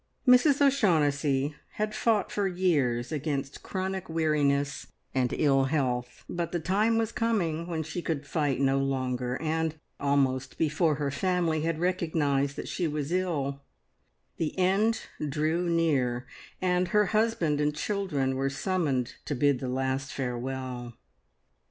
Mrs O'Shaughnessy had fought for years against chronic weariness and ill health, but the time was coming when she could fight no longer, and, almost before her family had recognised that she was ill, the end drew near, and her husband and children were summoned to bid the last farewell.